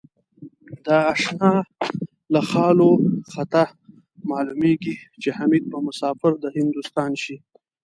د آشناله خال و خطه معلومېږي ـ چې حمیدبه مسافر دهندوستان شي